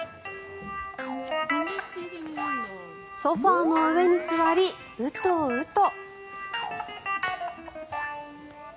ソファの上に座り、ウトウト。